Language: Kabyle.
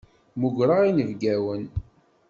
Mmugreɣ inebgawen.